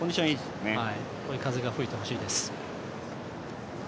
追い風が吹いてほしいです。